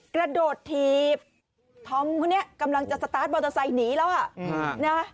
กระโดดทีบธอมเนี่ยกำลังจะสตาร์ทบอลเตอร์ไซค์หนีแล้วฮะ